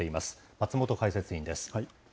松本解説委員です。